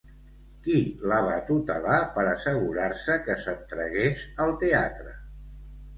Qui la va tutelar per assegurar-se que s'entregués al teatre?